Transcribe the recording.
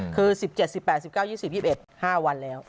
คือ๑๗๑๘๑๙๒๐๒๑๕วันแล้ว